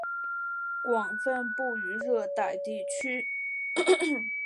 广泛布于热带地区。